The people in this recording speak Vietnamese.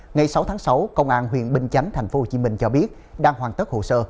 ngày sáu tháng sáu công an huyện bình chánh tp hcm cho biết đang hoàn tất hồ sơ